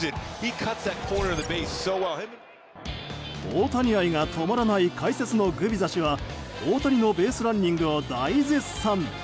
大谷愛が止まらない解説のグビザ氏は大谷のベースランニングを大絶賛。